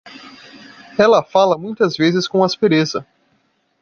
Ela fala muitas vezes com aspereza